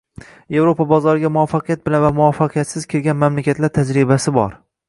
— Yevropa bozoriga muvaffaqiyat bilan va muvaffaqiyatsiz kirgan mamlakatlar tajribasi bor.